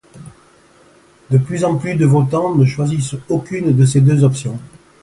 De plus de votants ne choisirent aucune de ces deux options.